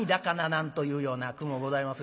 なんというような句もございますが。